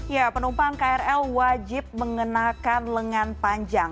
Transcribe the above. ya penumpang krl wajib mengenakan lengan panjang